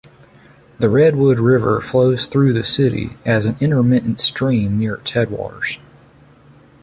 The Redwood River flows through the city as an intermittent stream near its headwaters.